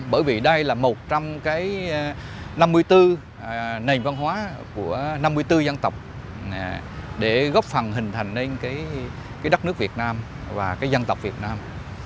bởi vì đây là một trăm năm mươi bốn nền văn hóa của năm mươi bốn dân tộc để góp phần hình thành đến đất nước việt nam và dân tộc việt nam